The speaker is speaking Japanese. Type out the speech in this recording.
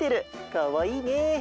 かわいいね。